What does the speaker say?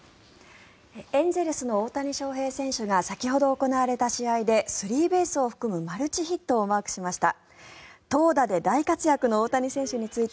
エンゼルスの大谷翔平選手が先ほど行われた試合でスリーベースを含むマルチヒットをマークしました。